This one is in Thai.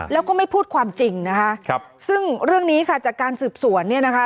แล้วก็ไม่พูดความจริงนะคะครับซึ่งเรื่องนี้ค่ะจากการสืบสวนเนี่ยนะคะ